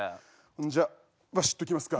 んじゃバシッといきますか。